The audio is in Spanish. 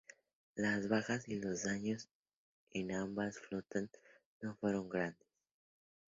Las bajas y los daños en ambas flotas no fueron grandes.